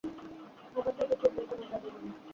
আমার প্রতি ক্ষোভ রেখো না, যাদুমণি!